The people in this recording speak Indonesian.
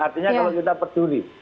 artinya kalau kita peduli